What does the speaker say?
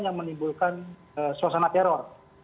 yang menimbulkan suasana teror